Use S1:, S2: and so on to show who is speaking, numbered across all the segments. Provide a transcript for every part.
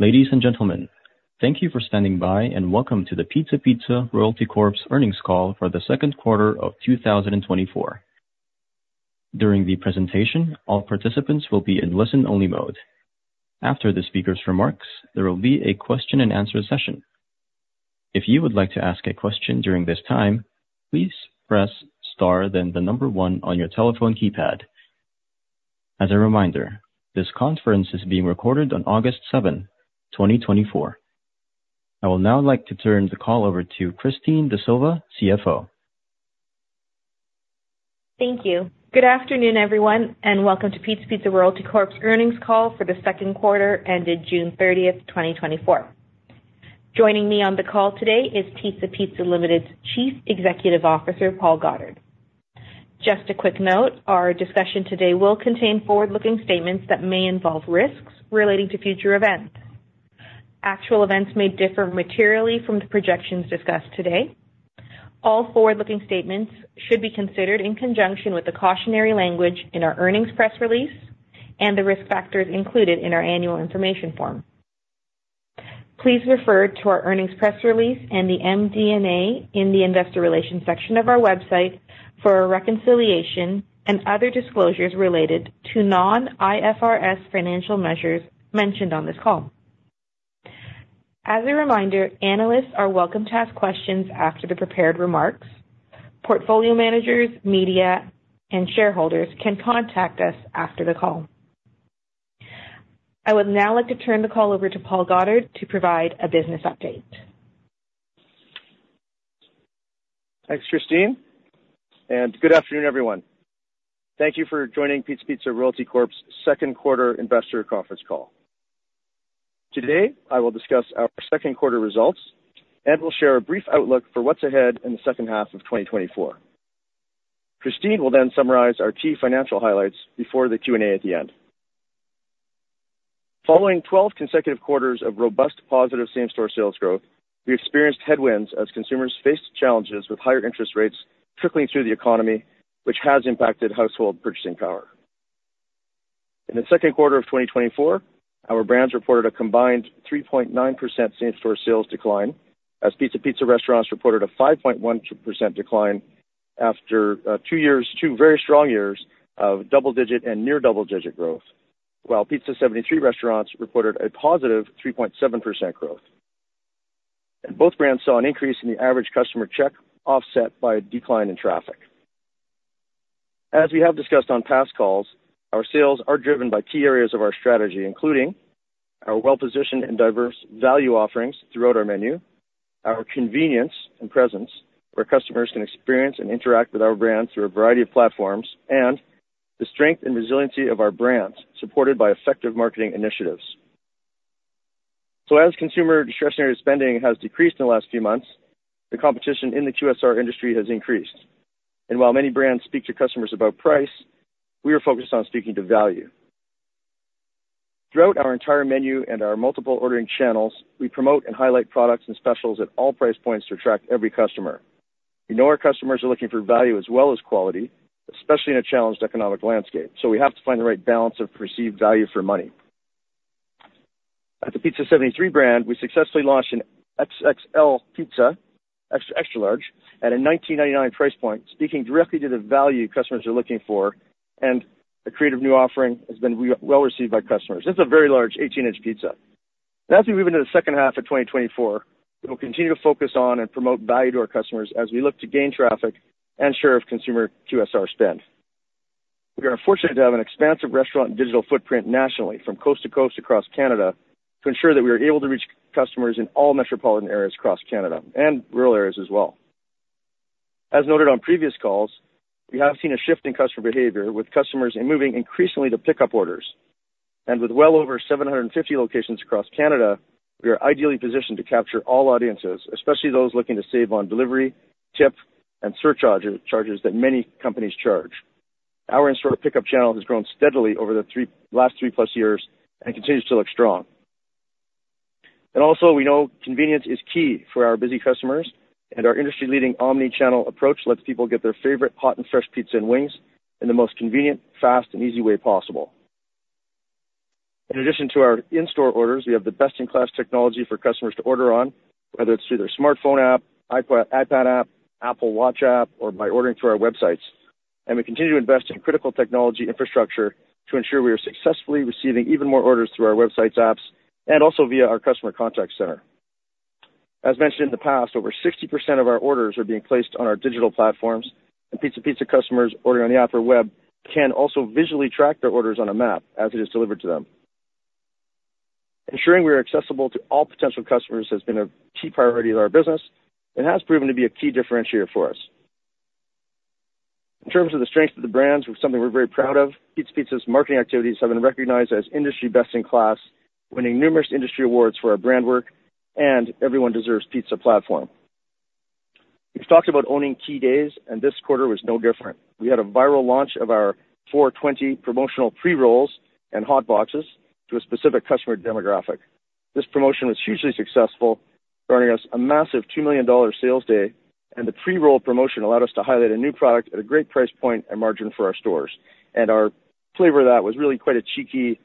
S1: Ladies and gentlemen, thank you for standing by and welcome to the Pizza Pizza Royalty Corp.'s earnings call for the second quarter of 2024. During the presentation, all participants will be in listen-only mode. After the speaker's remarks, there will be a question-and-answer session. If you would like to ask a question during this time, please press star then the number one on your telephone keypad. As a reminder, this conference is being recorded on August 7, 2024. I would now like to turn the call over to Christine D'Sylva, CFO.
S2: Thank you. Good afternoon, everyone, and welcome to Pizza Pizza Royalty Corp.'s earnings call for the second quarter ended June 30, 2024. Joining me on the call today is Pizza Pizza Limited's Chief Executive Officer, Paul Goddard. Just a quick note, our discussion today will contain forward-looking statements that may involve risks relating to future events. Actual events may differ materially from the projections discussed today. All forward-looking statements should be considered in conjunction with the cautionary language in our earnings press release and the risk factors included in our annual information form. Please refer to our earnings press release and the MD&A in the investor relations section of our website for a reconciliation and other disclosures related to non-IFRS financial measures mentioned on this call. As a reminder, analysts are welcome to ask questions after the prepared remarks. Portfolio managers, media, and shareholders can contact us after the call. I would now like to turn the call over to Paul Goddard to provide a business update.
S3: Thanks, Christine. Good afternoon, everyone. Thank you for joining Pizza Pizza Royalty Corp.'s second quarter investor conference call. Today, I will discuss our second quarter results and will share a brief outlook for what's ahead in the second half of 2024. Christine will then summarize our key financial highlights before the Q&A at the end. Following 12 consecutive quarters of robust positive same-store sales growth, we experienced headwinds as consumers faced challenges with higher interest rates trickling through the economy, which has impacted household purchasing power. In the second quarter of 2024, our brands reported a combined 3.9% same-store sales decline, as Pizza Pizza restaurants reported a 5.1% decline after two very strong years of double-digit and near-double-digit growth, while Pizza 73 restaurants reported a positive 3.7% growth. Both brands saw an increase in the average customer check offset by a decline in traffic. As we have discussed on past calls, our sales are driven by key areas of our strategy, including our well-positioned and diverse value offerings throughout our menu, our convenience and presence where customers can experience and interact with our brands through a variety of platforms, and the strength and resiliency of our brands supported by effective marketing initiatives. So, as consumer discretionary spending has decreased in the last few months, the competition in the QSR industry has increased. And while many brands speak to customers about price, we are focused on speaking to value. Throughout our entire menu and our multiple ordering channels, we promote and highlight products and specials at all price points to attract every customer. We know our customers are looking for value as well as quality, especially in a challenged economic landscape. So, we have to find the right balance of perceived value for money. At the Pizza 73 brand, we successfully launched an XXL pizza, extra large, at a 19.99 price point, speaking directly to the value customers are looking for, and a creative new offering has been well received by customers. It's a very large 18-inch pizza. As we move into the second half of 2024, we will continue to focus on and promote value to our customers as we look to gain traffic and share of consumer QSR spend. We are fortunate to have an expansive restaurant and digital footprint nationally from coast to coast across Canada to ensure that we are able to reach customers in all metropolitan areas across Canada and rural areas as well. As noted on previous calls, we have seen a shift in customer behavior, with customers moving increasingly to pickup orders. With well over 750 locations across Canada, we are ideally positioned to capture all audiences, especially those looking to save on delivery, tip, and surcharges that many companies charge. Our in-store pickup channel has grown steadily over the last three plus years and continues to look strong. Also, we know convenience is key for our busy customers, and our industry-leading omni-channel approach lets people get their favorite hot and fresh pizza and wings in the most convenient, fast, and easy way possible. In addition to our in-store orders, we have the best-in-class technology for customers to order on, whether it's through their smartphone app, iPad app, Apple Watch app, or by ordering through our websites. We continue to invest in critical technology infrastructure to ensure we are successfully receiving even more orders through our websites, apps, and also via our customer contact center. As mentioned in the past, over 60% of our orders are being placed on our digital platforms, and Pizza Pizza customers ordering on the app or web can also visually track their orders on a map as it is delivered to them. Ensuring we are accessible to all potential customers has been a key priority of our business and has proven to be a key differentiator for us. In terms of the strength of the brands, something we're very proud of, Pizza Pizza's marketing activities have been recognized as industry best in class, winning numerous industry awards for our brand work and Everyone Deserves Pizza platform. We've talked about owning key days, and this quarter was no different. We had a viral launch of our 420 promotional pre-rolls and hot boxes to a specific customer demographic. This promotion was hugely successful, earning us a massive $2 million sales day, and the pre-roll promotion allowed us to highlight a new product at a great price point and margin for our stores. Our flavor of that was really quite a cheeky,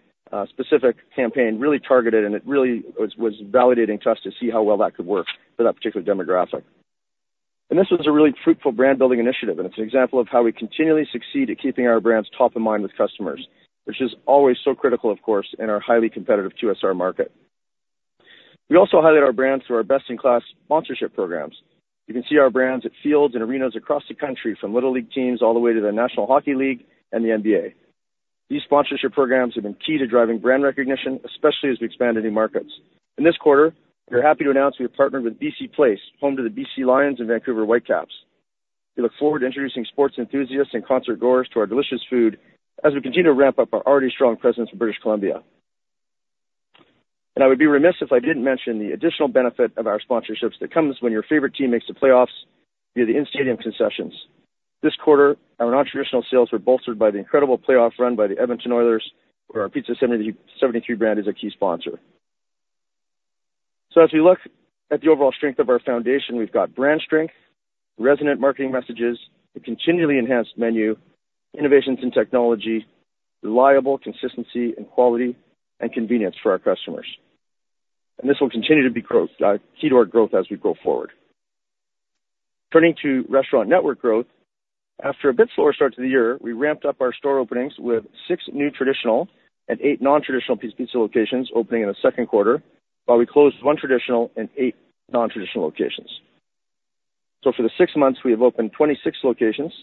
S3: specific campaign, really targeted, and it really was validating to us to see how well that could work for that particular demographic. This was a really fruitful brand-building initiative, and it's an example of how we continually succeed at keeping our brands top of mind with customers, which is always so critical, of course, in our highly competitive QSR market. We also highlight our brands through our best-in-class sponsorship programs. You can see our brands at fields and arenas across the country, from Little League teams all the way to the National Hockey League and the NBA. These sponsorship programs have been key to driving brand recognition, especially as we expand into new markets. In this quarter, we're happy to announce we have partnered with BC Place, home to the BC Lions and Vancouver Whitecaps. We look forward to introducing sports enthusiasts and concertgoers to our delicious food as we continue to ramp up our already strong presence in British Columbia. I would be remiss if I didn't mention the additional benefit of our sponsorships that comes when your favorite team makes the playoffs via the in-stadium concessions. This quarter, our non-traditional sales were bolstered by the incredible playoff run by the Edmonton Oilers, where our Pizza 73 brand is a key sponsor. So, as we look at the overall strength of our foundation, we've got brand strength, resonant marketing messages, a continually enhanced menu, innovations in technology, reliable consistency and quality, and convenience for our customers. This will continue to be growth, key to our growth as we go forward. Turning to restaurant network growth, after a bit slower start to the year, we ramped up our store openings with six new traditional and eight non-traditional Pizza Pizza locations opening in the second quarter, while we closed one traditional and eight non-traditional locations. So, for the six months, we have opened 26 locations,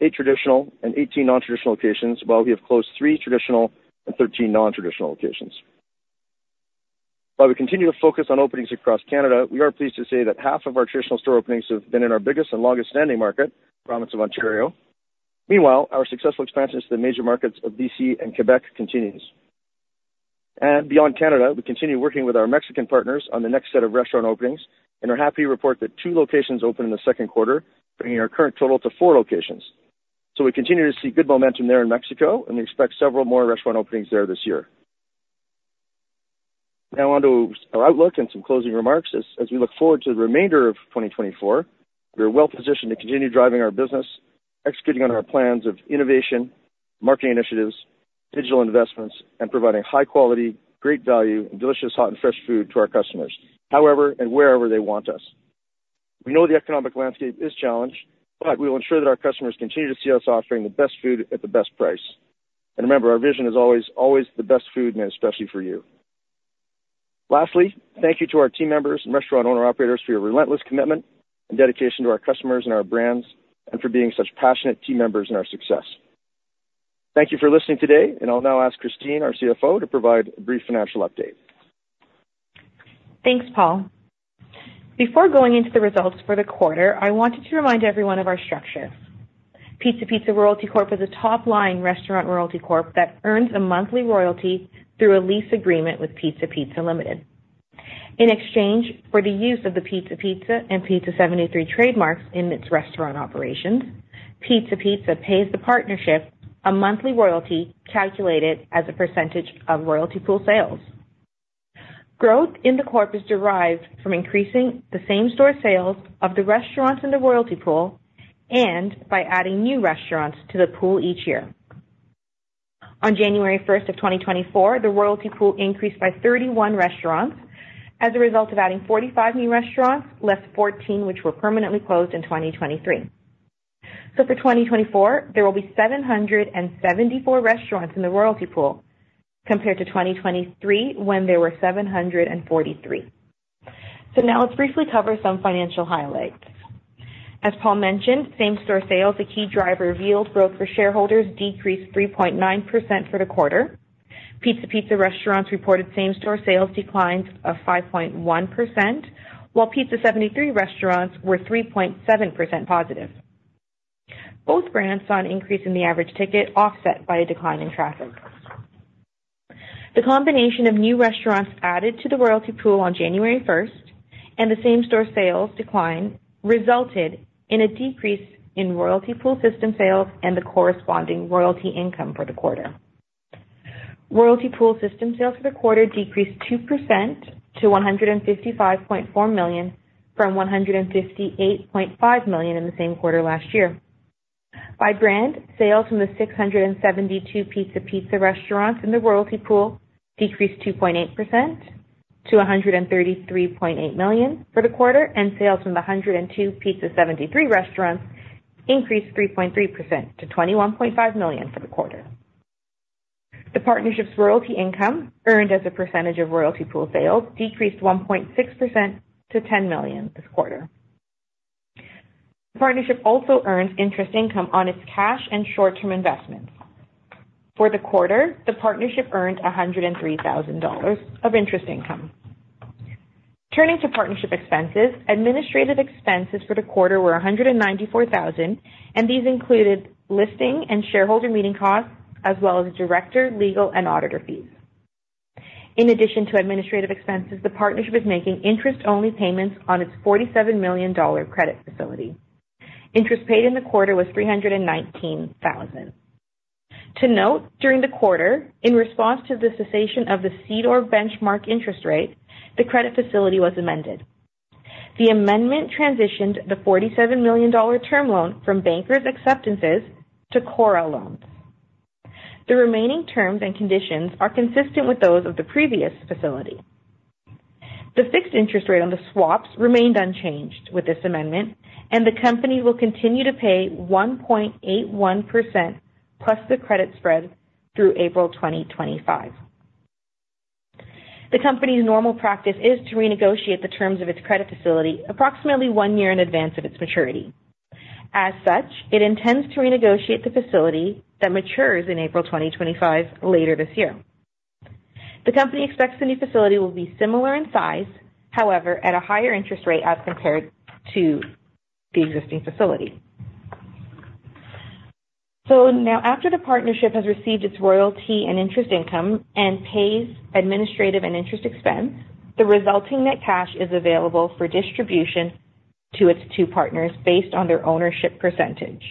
S3: eight traditional and 18 non-traditional locations, while we have closed six traditional and 13 non-traditional locations. While we continue to focus on openings across Canada, we are pleased to say that half of our traditional store openings have been in our biggest and longest-standing market, province of Ontario. Meanwhile, our successful expansions to the major markets of BC and Quebec continues. Beyond Canada, we continue working with our Mexican partners on the next set of restaurant openings and are happy to report that two locations opened in the second quarter, bringing our current total to four locations. We continue to see good momentum there in Mexico, and we expect several more restaurant openings there this year. Now, on to our outlook and some closing remarks as we look forward to the remainder of 2024. We are well positioned to continue driving our business, executing on our plans of innovation, marketing initiatives, digital investments, and providing high-quality, great value, and delicious hot and fresh food to our customers, however and wherever they want us. We know the economic landscape is challenged, but we will ensure that our customers continue to see us offering the best food at the best price. Remember, our vision is always, always the best food, and especially for you. Lastly, thank you to our team members and restaurant owner-operators for your relentless commitment and dedication to our customers and our brands and for being such passionate team members in our success. Thank you for listening today, and I'll now ask Christine, our CFO, to provide a brief financial update.
S2: Thanks, Paul. Before going into the results for the quarter, I wanted to remind everyone of our structure. Pizza Pizza Royalty Corp. is a top-line restaurant royalty corp that earns a monthly royalty through a lease agreement with Pizza Pizza Limited. In exchange for the use of the Pizza Pizza and Pizza 73 trademarks in its restaurant operations, Pizza Pizza pays the partnership a monthly royalty calculated as a percentage of royalty pool sales. Growth in the corp is derived from increasing the same-store sales of the restaurants in the royalty pool and by adding new restaurants to the pool each year. On January 1st of 2024, the royalty pool increased by 31 restaurants as a result of adding 45 new restaurants, less 14 which were permanently closed in 2023. So, for 2024, there will be 774 restaurants in the royalty pool compared to 2023 when there were 743. So, now let's briefly cover some financial highlights. As Paul mentioned, same-store sales, a key driver of yield growth for shareholders, decreased 3.9% for the quarter. Pizza Pizza restaurants reported same-store sales decline of 5.1%, while Pizza 73 restaurants were 3.7% positive. Both brands saw an increase in the average ticket offset by a decline in traffic. The combination of new restaurants added to the royalty pool on January 1st and the same-store sales decline resulted in a decrease in royalty pool system sales and the corresponding royalty income for the quarter. Royalty pool system sales for the quarter decreased 2% to 155.4 million from 158.5 million in the same quarter last year. By brand, sales from the 672 Pizza Pizza restaurants in the royalty pool decreased 2.8% to 133.8 million for the quarter, and sales from the 102 Pizza 73 restaurants increased 3.3% to 21.5 million for the quarter. The partnership's royalty income earned as a percentage of royalty pool sales decreased 1.6% to 10 million this quarter. The partnership also earns interest income on its cash and short-term investments. For the quarter, the partnership earned 103,000 dollars of interest income. Turning to partnership expenses, administrative expenses for the quarter were 194,000, and these included listing and shareholder meeting costs, as well as director, legal, and auditor fees. In addition to administrative expenses, the partnership is making interest-only payments on its 47 million dollar credit facility. Interest paid in the quarter was 319,000. To note, during the quarter, in response to the cessation of the CDOR benchmark interest rate, the credit facility was amended. The amendment transitioned the 47 million dollar term loan from bankers' acceptances to CORRA loans. The remaining terms and conditions are consistent with those of the previous facility. The fixed interest rate on the swaps remained unchanged with this amendment, and the company will continue to pay 1.81% plus the credit spread through April 2025. The company's normal practice is to renegotiate the terms of its credit facility approximately one year in advance of its maturity. As such, it intends to renegotiate the facility that matures in April 2025 later this year. The company expects the new facility will be similar in size, however, at a higher interest rate as compared to the existing facility. So now, after the partnership has received its royalty and interest income and pays administrative and interest expense, the resulting net cash is available for distribution to its two partners based on their ownership percentage.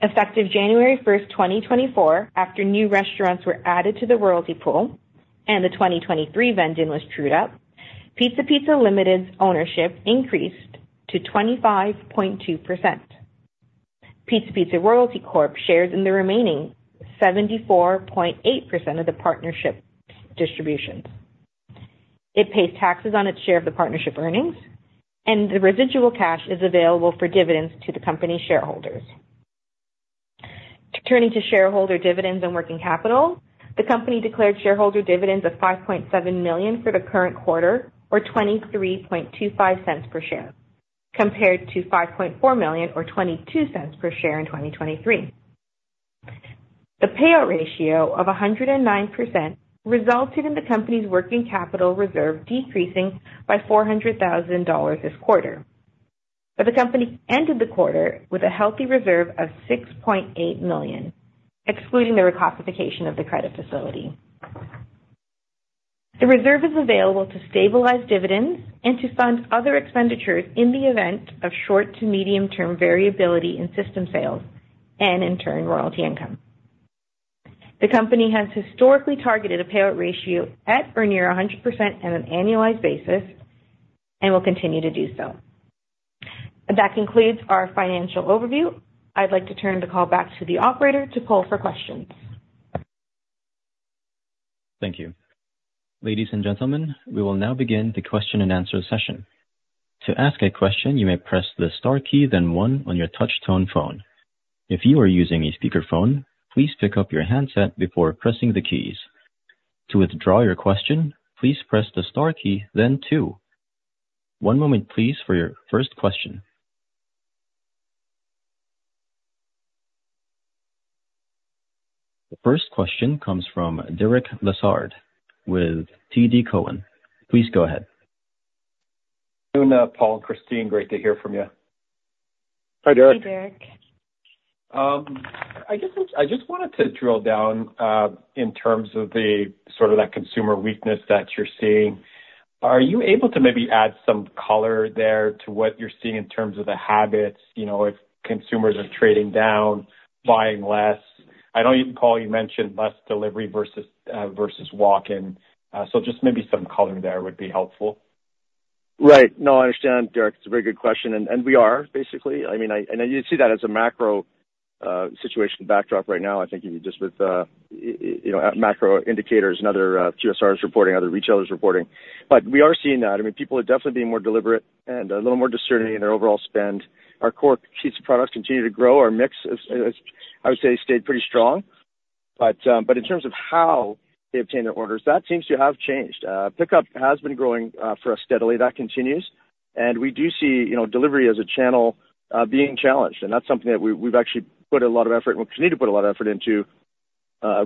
S2: Effective January 1st, 2024, after new restaurants were added to the royalty pool and the 2023 vending was trued up, Pizza Pizza Limited's ownership increased to 25.2%. Pizza Pizza Royalty Corp shares in the remaining 74.8% of the partnership distributions. It pays taxes on its share of the partnership earnings, and the residual cash is available for dividends to the company's shareholders. Turning to shareholder dividends and working capital, the company declared shareholder dividends of 5.7 million for the current quarter, or 23.25 per share, compared to 5.4 million, or 0.22 per share in 2023. The payout ratio of 109% resulted in the company's working capital reserve decreasing by 400,000 dollars this quarter. The company ended the quarter with a healthy reserve of 6.8 million, excluding the rectification of the credit facility. The reserve is available to stabilize dividends and to fund other expenditures in the event of short to medium-term variability in system sales and, in turn, royalty income. The company has historically targeted a payout ratio at or near 100% on an annualized basis and will continue to do so. That concludes our financial overview. I'd like to turn the call back to the operator to poll for questions.
S1: Thank you. Ladies and gentlemen, we will now begin the question and answer session. To ask a question, you may press the star key, then one on your touch-tone phone. If you are using a speakerphone, please pick up your handset before pressing the keys. To withdraw your question, please press the star key, then two. One moment, please, for your first question. The first question comes from Derek Lessard with TD Cowen. Please go ahead.
S4: Good evening, Paul, Christine. Great to hear from you.
S3: Hi, Derek.
S2: Hi, Derek.
S4: I guess I just wanted to drill down in terms of the sort of that consumer weakness that you're seeing. Are you able to maybe add some color there to what you're seeing in terms of the habits? You know, if consumers are trading down, buying less. I know, Paul, you mentioned less delivery versus walk-in. So just maybe some color there would be helpful.
S3: Right. No, I understand, Derek. It's a very good question. And we are, basically. I mean, and you'd see that as a macro situation backdrop right now, I think, even just with, you know, macro indicators and other QSRs reporting, other retailers reporting. But we are seeing that. I mean, people are definitely being more deliberate and a little more discerning in their overall spend. Our core piece of products continue to grow. Our mix, I would say, stayed pretty strong. But in terms of how they obtain their orders, that seems to have changed. Pickup has been growing for us steadily. That continues. And we do see, you know, delivery as a channel being challenged. And that's something that we've actually put a lot of effort, and we continue to put a lot of effort into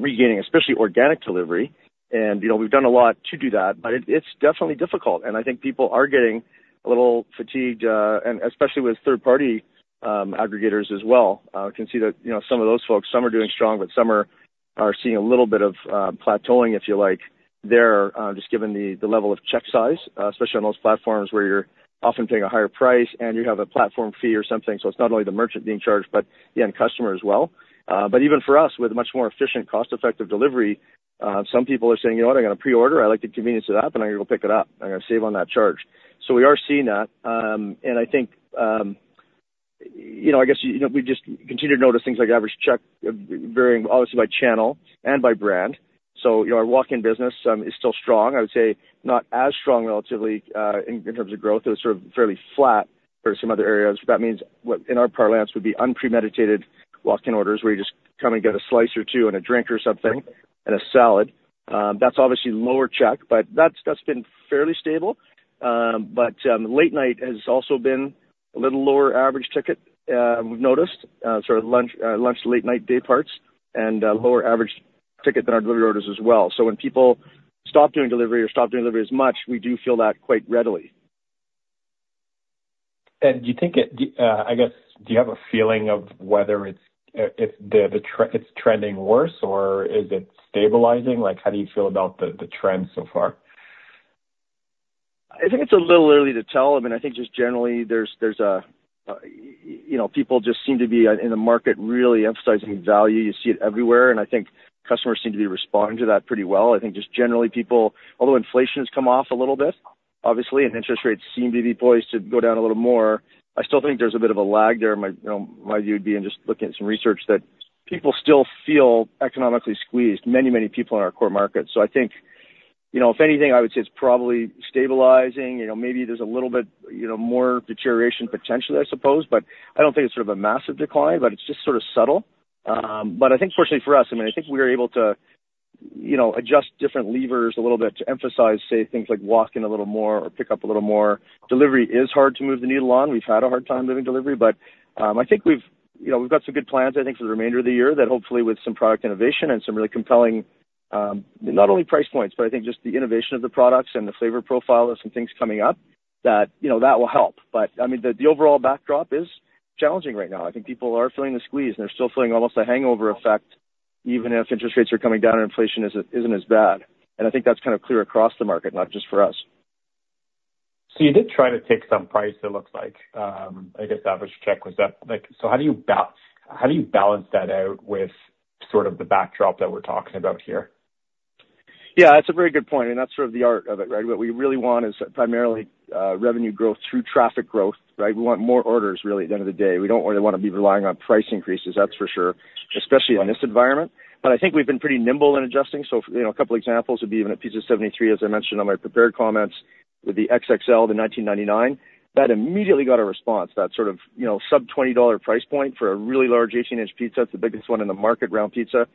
S3: regaining, especially organic delivery. You know, we've done a lot to do that, but it's definitely difficult. I think people are getting a little fatigued, and especially with third-party aggregators as well. I can see that, you know, some of those folks, some are doing strong, but some are seeing a little bit of plateauing, if you like, there, just given the level of check size, especially on those platforms where you're often paying a higher price and you have a platform fee or something. So it's not only the merchant being charged, but, yeah, and customer as well. But even for us, with much more efficient, cost-effective delivery, some people are saying, you know what, I got a pre-order. I like the convenience of that, but I'm going to go pick it up. I'm going to save on that charge. So we are seeing that. I think, you know, I guess, you know, we just continue to notice things like average check, varying, obviously, by channel and by brand. So, you know, our walk-in business is still strong. I would say not as strong relatively in terms of growth. It was sort of fairly flat for some other areas. That means what in our parlance would be unpremeditated walk-in orders, where you just come and get a slice or two and a drink or something and a salad. That's obviously lower check, but that's been fairly stable. But late night has also been a little lower average ticket, we've noticed, sort of lunch, late night, day parts, and lower average ticket than our delivery orders as well. So when people stop doing delivery or stop doing delivery as much, we do feel that quite readily.
S4: Do you think, I guess, do you have a feeling of whether it's trending worse or is it stabilizing? Like, how do you feel about the trend so far?
S3: I think it's a little early to tell. I mean, I think just generally there's, you know, people just seem to be in the market really emphasizing value. You see it everywhere. And I think customers seem to be responding to that pretty well. I think just generally people, although inflation has come off a little bit, obviously, and interest rates seem to be poised to go down a little more, I still think there's a bit of a lag there. My view would be in just looking at some research that people still feel economically squeezed, many, many people in our core market. So I think, you know, if anything, I would say it's probably stabilizing. You know, maybe there's a little bit, you know, more deterioration potentially, I suppose. But I don't think it's sort of a massive decline, but it's just sort of subtle. But I think, fortunately for us, I mean, I think we're able to, you know, adjust different levers a little bit to emphasize, say, things like walk-in a little more or pick up a little more. Delivery is hard to move the needle on. We've had a hard time moving delivery. But I think we've, you know, we've got some good plans, I think, for the remainder of the year that hopefully with some product innovation and some really compelling, not only price points, but I think just the innovation of the products and the flavor profile of some things coming up that, you know, that will help. But I mean, the overall backdrop is challenging right now. I think people are feeling the squeeze and they're still feeling almost a hangover effect, even if interest rates are coming down and inflation isn't as bad. I think that's kind of clear across the market, not just for us.
S4: So you did try to take some price, it looks like, I guess, average check. Was that like, so how do you balance that out with sort of the backdrop that we're talking about here?
S3: Yeah, that's a very good point. And that's sort of the art of it, right? What we really want is primarily revenue growth through traffic growth, right? We want more orders, really, at the end of the day. We don't really want to be relying on price increases, that's for sure, especially in this environment. But I think we've been pretty nimble in adjusting. So, you know, a couple of examples would be even at Pizza 73, as I mentioned on my prepared comments with the XXL, the 19.99, that immediately got a response. That sort of, you know, sub-CAD 20 price point for a really large 18-inch pizza. It's the biggest one in the market, round pizza.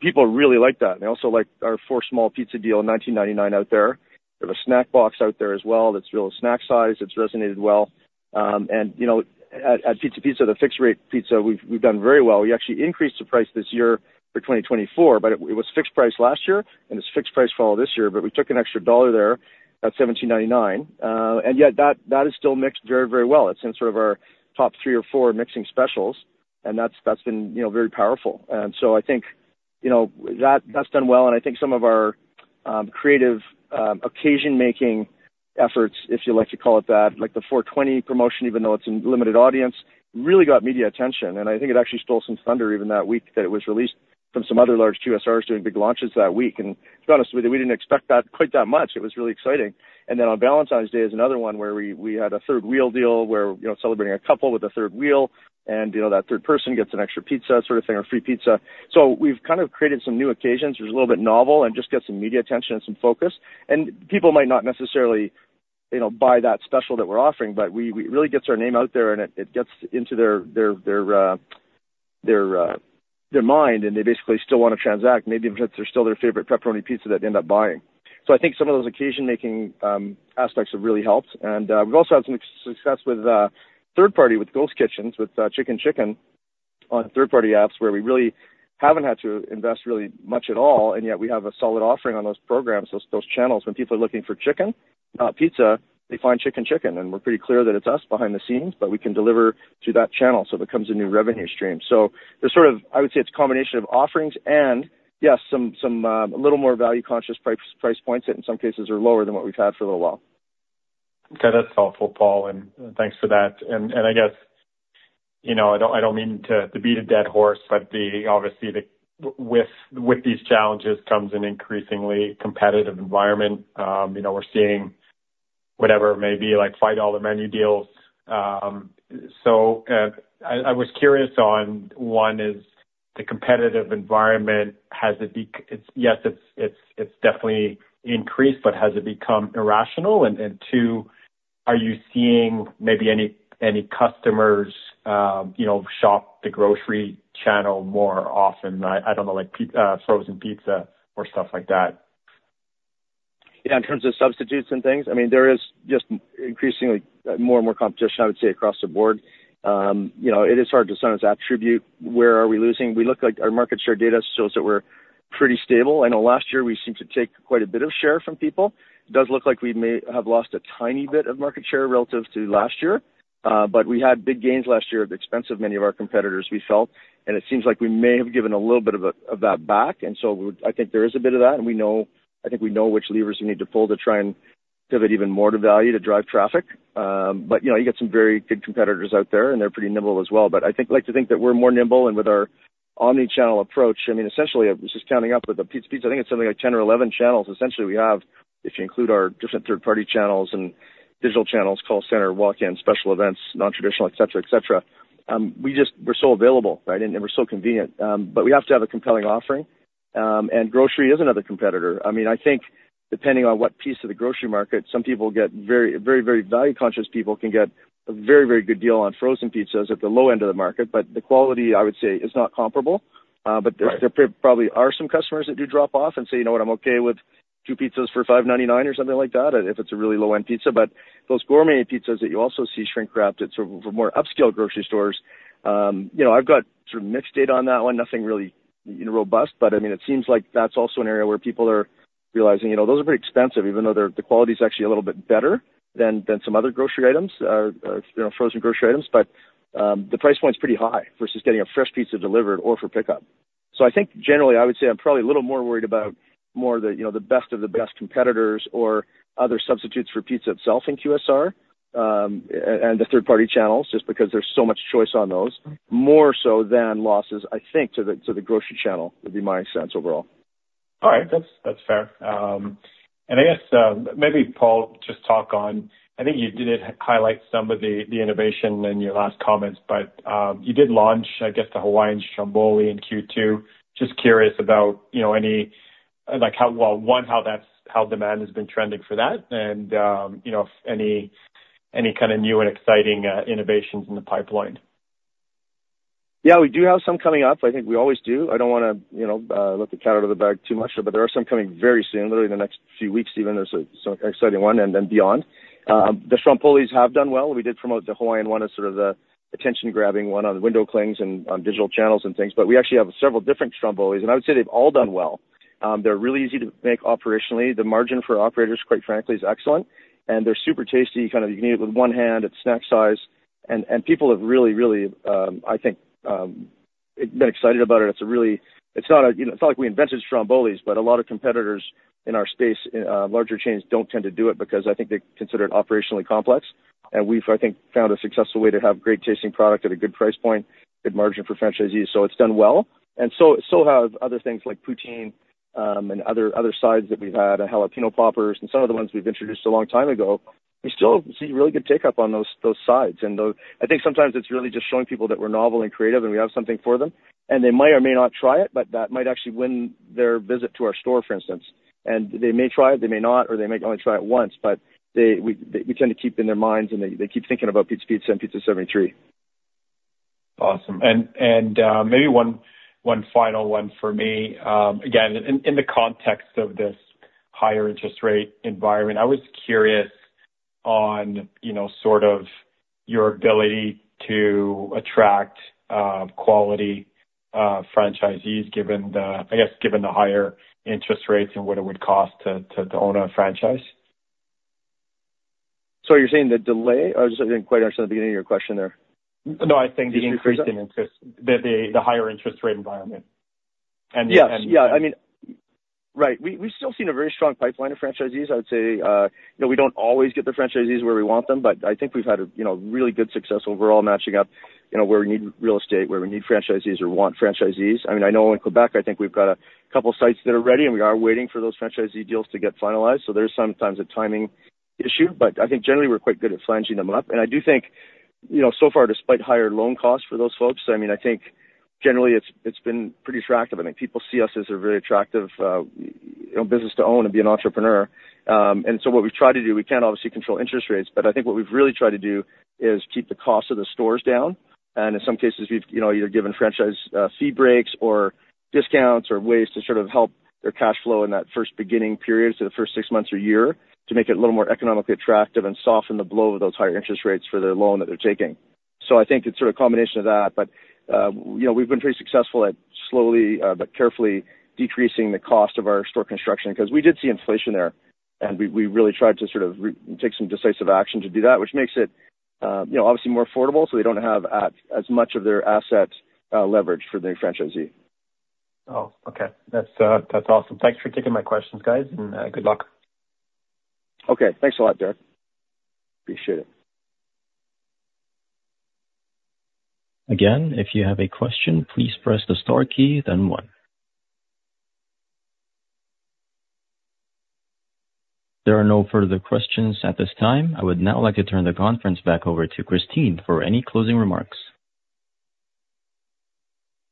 S3: People really like that. And they also like our four small pizza deal at 19.99 out there. We have a snack box out there as well that's real snack size. It's resonated well. And, you know, at Pizza Pizza, the fixed-rate pizza, we've done very well. We actually increased the price this year for 2024, but it was fixed price last year and it's fixed price for all this year. But we took an extra CAD 1 there at 17.99. And yet that is still mixed very, very well. It's in sort of our top three or four mixing specials. And that's been, you know, very powerful. And so I think, you know, that's done well. And I think some of our creative occasion-making efforts, if you like to call it that, like the 420 promotion, even though it's a limited audience, really got media attention. And I think it actually stole some thunder even that week that it was released from some other large QSRs doing big launches that week. And to be honest with you, we didn't expect that quite that much. It was really exciting. Then on Valentine's Day is another one where we had a third-wheel deal where, you know, celebrating a couple with a third wheel. And, you know, that third person gets an extra pizza sort of thing or free pizza. So we've kind of created some new occasions. It was a little bit novel and just gets some media attention and some focus. And people might not necessarily, you know, buy that special that we're offering, but it really gets our name out there and it gets into their mind and they basically still want to transact, maybe because they're still their favorite pepperoni pizza that they end up buying. So I think some of those occasion-making aspects have really helped. And we've also had some success with third-party, with ghost kitchens, with Chicken Chicken on third-party apps where we really haven't had to invest really much at all. And yet we have a solid offering on those programs, those channels. When people are looking for chicken pizza, they find Chicken Chicken. And we're pretty clear that it's us behind the scenes, but we can deliver through that channel so it becomes a new revenue stream. So there's sort of, I would say it's a combination of offerings and, yes, some a little more value-conscious price points that in some cases are lower than what we've had for a little while.
S4: Okay, that's helpful, Paul. And thanks for that. And I guess, you know, I don't mean to beat a dead horse, but obviously with these challenges comes an increasingly competitive environment. You know, we're seeing whatever it may be, like fve dollar the menu deals. So I was curious on one is the competitive environment, has it, yes, it's definitely increased, but has it become irrational? And two, are you seeing maybe any customers, you know, shop the grocery channel more often? I don't know, like frozen pizza or stuff like that.
S3: Yeah, in terms of substitutes and things, I mean, there is just increasingly more and more competition, I would say, across the board. You know, it is hard to sometimes attribute where we are losing. We look like our market share data shows that we're pretty stable. I know last year we seemed to take quite a bit of share from people. It does look like we may have lost a tiny bit of market share relative to last year. But we had big gains last year at the expense of many of our competitors, we felt. And it seems like we may have given a little bit of that back. And so I think there is a bit of that. And we know, I think we know which levers you need to pull to try and pivot even more to value to drive traffic. But, you know, you get some very good competitors out there and they're pretty nimble as well. But I think, like to think that we're more nimble and with our omnichannel approach, I mean, essentially, I was just counting up with the Pizza Pizza, I think it's something like 10 or 11 channels. Essentially, we have, if you include our different third-party channels and digital channels, call center, walk-in, special events, non-traditional, et cetera, et cetera. We just, we're so available, right? And we're so convenient. But we have to have a compelling offering. And grocery is another competitor. I mean, I think depending on what piece of the grocery market, some people get very, very, very value-conscious people can get a very, very good deal on frozen pizzas at the low end of the market. But the quality, I would say, is not comparable. But there probably are some customers that do drop off and say, you know what, I'm okay with two pizzas for $5.99 or something like that, if it's a really low-end pizza. But those gourmet pizzas that you also see shrink-wrapped, it's for more upscale grocery stores. You know, I've got sort of mixed data on that one. Nothing really robust, but I mean, it seems like that's also an area where people are realizing, you know, those are pretty expensive, even though the quality is actually a little bit better than some other grocery items, frozen grocery items. But the price point's pretty high versus getting a fresh pizza delivered or for pickup. So I think generally, I would say I'm probably a little more worried about more of the, you know, the best of the best competitors or other substitutes for pizza itself in QSR and the third-party channels, just because there's so much choice on those, more so than losses, I think, to the grocery channel would be my sense overall.
S4: All right, that's fair. And I guess maybe, Paul, just talk on, I think you did highlight some of the innovation in your last comments, but you did launch, I guess, the Hawaiian Stromboli in Q2. Just curious about, you know, any, like how, one, how that's, how demand has been trending for that, and, you know, if any, any kind of new and exciting innovations in the pipeline.
S3: Yeah, we do have some coming up. I think we always do. I don't want to, you know, let the cat out of the bag too much, but there are some coming very soon, literally in the next few weeks even. There's an exciting one and then beyond. The Strombolis have done well. We did promote the Hawaiian one as sort of the attention-grabbing one on the window clings and on digital channels and things. But we actually have several different Strombolis. And I would say they've all done well. They're really easy to make operationally. The margin for operators, quite frankly, is excellent. And they're super tasty. Kind of, you can eat it with one hand. It's snack size. And people have really, really, I think, been excited about it. It's really not, you know, it's not like we invented Strombolis, but a lot of competitors in our space, larger chains, don't tend to do it because I think they consider it operationally complex. We've, I think, found a successful way to have great tasting product at a good price point, good margin for franchisees. So it's done well. So have other things like poutine and other sides that we've had, jalapeño poppers, and some of the ones we've introduced a long time ago. We still see really good take-up on those sides. And I think sometimes it's really just showing people that we're novel and creative and we have something for them. And they may or may not try it, but that might actually win their visit to our store, for instance. They may try it, they may not, or they may only try it once. We tend to keep in their minds and they keep thinking about Pizza Pizza and Pizza 73.
S4: Awesome. And maybe one final one for me. Again, in the context of this higher interest rate environment, I was curious on, you know, sort of your ability to attract quality franchisees given, I guess, given the higher interest rates and what it would cost to own a franchise?
S3: So you're saying the delay? I was just getting quite interested in the beginning of your question there.
S4: No, I think the increasing interest. The higher interest rate environment. And yes.
S3: Yeah, I mean, right. We've still seen a very strong pipeline of franchisees. I would say, you know, we don't always get the franchisees where we want them, but I think we've had a, you know, really good success overall matching up, you know, where we need real estate, where we need franchisees or want franchisees. I mean, I know in Quebec, I think we've got a couple of sites that are ready and we are waiting for those franchisee deals to get finalized. So there's sometimes a timing issue. But I think generally we're quite good at lining them up. And I do think, you know, so far, despite higher loan costs for those folks, I mean, I think generally it's been pretty attractive. I mean, people see us as a really attractive, you know, business to own and be an entrepreneur. So what we've tried to do, we can't obviously control interest rates, but I think what we've really tried to do is keep the cost of the stores down. In some cases, we've, you know, either given franchise fee breaks or discounts or ways to sort of help their cash flow in that first beginning period to the first six months or year to make it a little more economically attractive and soften the blow of those higher interest rates for the loan that they're taking. So I think it's sort of a combination of that. But, you know, we've been pretty successful at slowly but carefully decreasing the cost of our store construction because we did see inflation there. We really tried to sort of take some decisive action to do that, which makes it, you know, obviously more affordable so they don't have as much of their asset leverage for the franchisee.
S4: Oh, okay. That's awesome. Thanks for taking my questions, guys. And good luck.
S3: Okay, thanks a lot, Derek.
S4: Appreciate it.
S1: Again, if you have a question, please press the star key, then one. There are no further questions at this time. I would now like to turn the conference back over to Christine for any closing remarks.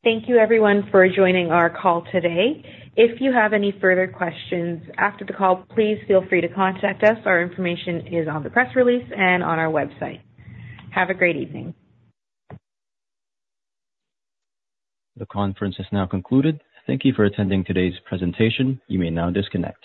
S2: Thank you, everyone, for joining our call today. If you have any further questions after the call, please feel free to contact us. Our information is on the press release and on our website. Have a great evening.
S1: The conference has now concluded. Thank you for attending today's presentation. You may now disconnect.